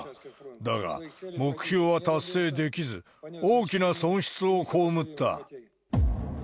だが、目標は達成できず、大きな損失を被った。